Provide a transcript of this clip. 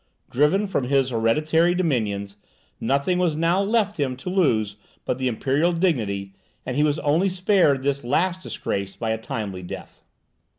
Driven from his hereditary dominions, nothing was now left him to lose but the imperial dignity; and he was only spared this last disgrace by a timely death.